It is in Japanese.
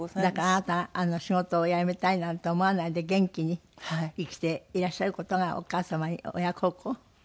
だからあなた仕事をやめたいなんて思わないで元気に生きていらっしゃる事がお母様に親孝行。